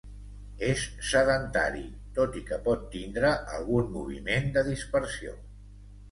És sedentari, tot i que pot tindre algun moviment de dispersió.